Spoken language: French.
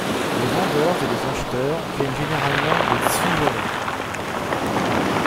Les vendeurs et les acheteurs viennent généralement de Tsivory.